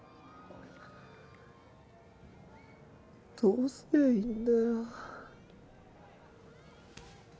どうすりゃいいんだよ